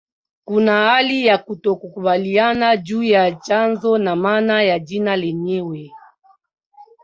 Kuna hali ya kutokukubaliana juu ya chanzo na maana ya jina lenyewe